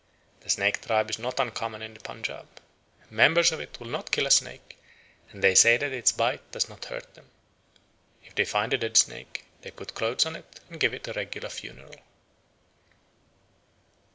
The Snake tribe is not uncommon in the Punjaub. Members of it will not kill a snake, and they say that its bite does not hurt them. If they find a dead snake, they put clothes on it and give it a regular funeral.